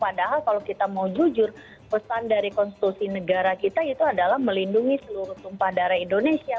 padahal kalau kita mau jujur pesan dari konstitusi negara kita itu adalah melindungi seluruh tumpah darah indonesia